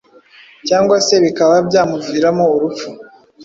cyangwa se bikaba byanamuviramo urupfu.